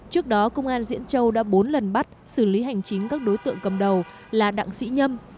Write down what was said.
trước đó công an diễn châu đã bốn lần bắt xử lý hành chính các đối tượng cầm đầu là đặng sĩ nhâm